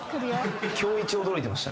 今日一驚いてました。